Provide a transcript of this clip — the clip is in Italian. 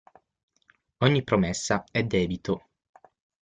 Ogni promessa è debito.